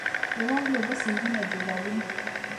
د واورې اوبه سیندونه جوړوي